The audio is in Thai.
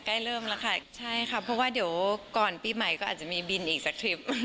ใกล้เริ่มแล้วค่ะใช่ค่ะเพราะว่าเดี๋ยวก่อนปีใหม่ก็อาจจะมีบินอีกสักทริป